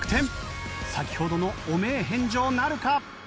先ほどの汚名返上なるか？